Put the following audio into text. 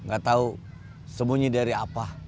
gak tahu sembunyi dari apa